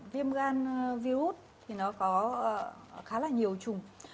viêm gan virus thì nó có khá là nhiều chủng